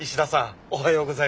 おはようございます。